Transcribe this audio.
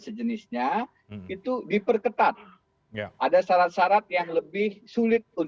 bung reinhardt pp ini terkenal sekali di narapidana tindak kebenaran